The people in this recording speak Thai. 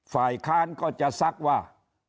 ฝ่ายค้านก็จะซักว่า